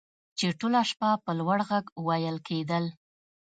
چې ټوله شپه په لوړ غږ ویل کیدل